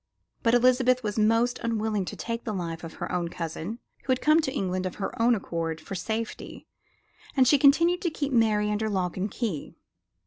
But Elizabeth was most unwilling to take the life of her own cousin, who had come to England of her own accord for safety, and she continued to keep Mary under lock and key.